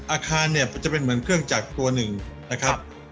อาคารเนี่ยจะเป็นเหมือนเครื่องจักรตัวหนึ่งนะครับ